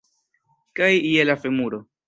Kaj je la femuro.